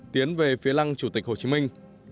tiến về phía lăng chủ tịch hồ chí minh